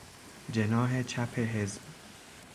جناح چپ حزب